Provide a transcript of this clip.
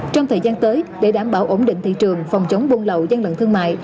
trong thời gian tới để đảm bảo ổn định thị trường phòng chống buôn lậu gian lận thương mại